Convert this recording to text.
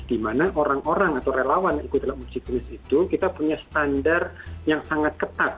di mana orang orang atau relawan yang ikut dalam uji klinis itu kita punya standar yang sangat ketat